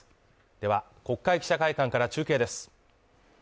では、国会記者会館から中継です。